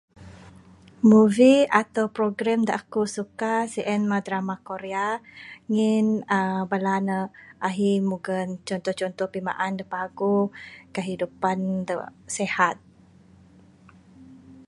Movie atau program da aku suka sien mah drama Korea ngin bala ne ahi mugon contoh contoh pimaan da paguh kehidupan da sihat.